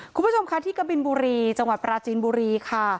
คุณผู้ชมค่ะที่กบินบุรีจังหวัดปราจีนบุรีค่ะ